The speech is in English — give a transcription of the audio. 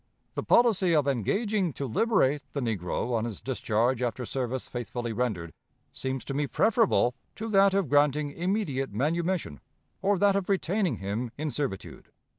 The policy of engaging to liberate the negro on his discharge after service faithfully rendered seems to me preferable to that of granting immediate manumission, or that of retaining him in servitude.